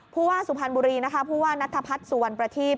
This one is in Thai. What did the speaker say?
ผู้ว่าสุพรรณบุรีนะคะผู้ว่านัทพัฒน์สุวรรณประทีพ